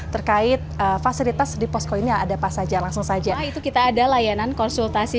terkait fasilitas di posko ini ada apa saja langsung saja itu kita ada layanan konsultasi